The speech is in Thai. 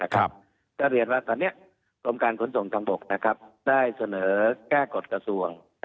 ก็เรียนว่าตอนนี้กรมการขนส่งทางบกได้เสนอแก้กฎกระทรวง